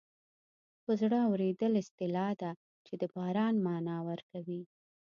په زړه اورېدل اصطلاح ده چې د باران مانا ورکوي